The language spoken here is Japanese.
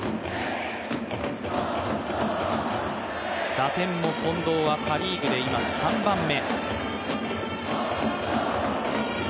打点も近藤はパ・リーグで今３番目。